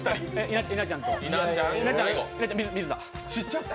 稲ちゃんと水田。